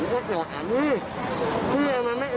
ไม่เข้ารอแม่คน